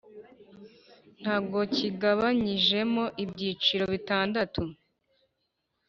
ntago kigabanyijemo ibyiciro bitandatu